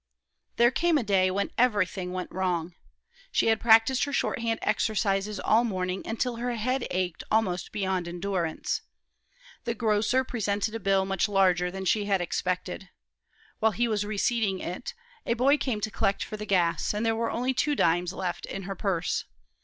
There came a day when everything went wrong. She had practiced her shorthand exercises all morning, until her head ached almost beyond endurance. The grocer presented a bill much larger than she had expected. While he was receipting it, a boy came to collect for the gas, and there were only two dimes left in her purse.